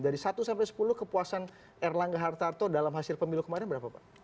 dari satu sampai sepuluh kepuasan erlangga hartarto dalam hasil pemilu kemarin berapa pak